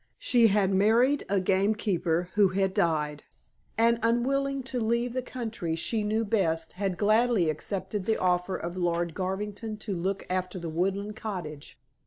She had married a gamekeeper, who had died, and unwilling to leave the country she knew best, had gladly accepted the offer of Lord Garvington to look after the woodland cottage.